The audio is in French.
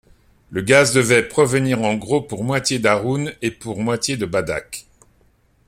Le gaz devait provenir en gros pour moitié d'Arun et pour moitié de Badak.